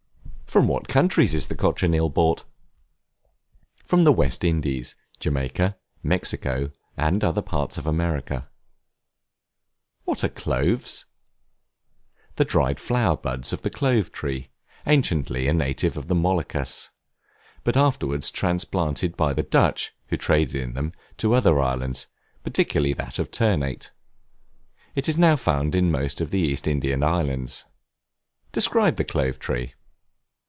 From what countries is the Cochineal brought? From the West Indies, Jamaica, Mexico, and other parts of America. What are Cloves? The dried flower buds of the Clove Tree, anciently a native of the Moluccas; but afterwards transplanted by the Dutch (who traded in them,) to other islands, particularly that of Ternate. It is now found in most of the East Indian Islands. Describe the Clove Tree.